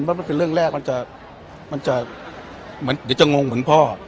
เพราะมันเป็นเรื่องแรกมันจะเหมือนเดี๋ยวจะงงเหมือนพ่อ